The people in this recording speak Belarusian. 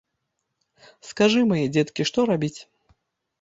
Скажы, мае дзеткі, што рабіць?